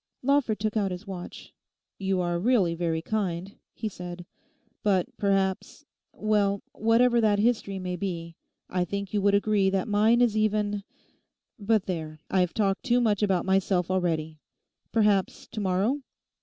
Lawford took out his watch, 'You are really very kind,' he said. 'But, perhaps—well, whatever that history may be, I think you would agree that mine is even—but, there, I've talked too much about myself already. Perhaps to morrow?